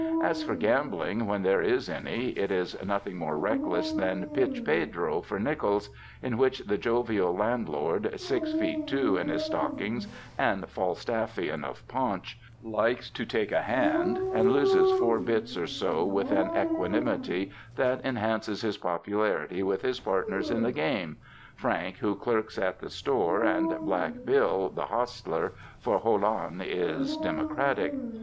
As for gambling, when there is any, it is nothing more reckless than "pitch pedro" for nickels, in which the jovial landlord, six feet two in his stock ings and Falstaffian of paunch, likes to take a hand;> and loses four bits or so with an equanimity that enhances his popularity with his partners in the game— Frank who clerks in the store and Black Bill, the hostler, for Jolon is democratic.